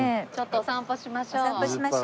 お散歩しましょう。